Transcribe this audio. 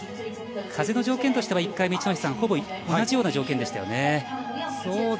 風の条件としては１回目とほぼ同じような条件でしたよね。